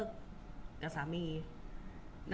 คุณผู้ถามเป็นความขอบคุณค่ะ